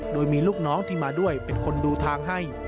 โดยมีลูกน้องที่มาด้วยเป็นคนดูทางให้